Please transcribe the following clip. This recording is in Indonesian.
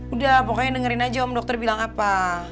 udah pokoknya dengerin aja om dokter bilang apa